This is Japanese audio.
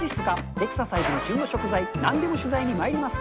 エクササイズや旬の食材、なんでも取材にまいります。